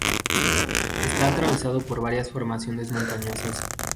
Está atravesado por varias formaciones montañosas.